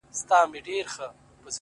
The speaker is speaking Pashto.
شاعري سمه ده چي ته غواړې ـ